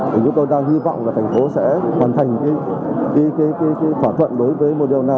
và chúng tôi đang hy vọng là thành phố sẽ hoàn thành cái phỏa thuận đối với moderna